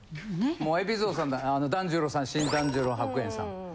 もう海老蔵さん團十郎さん新團十郎白猿さん。